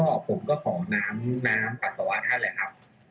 ก็ผมก็ขอน้ำน้ำปัสสาวะท่านแหละครับ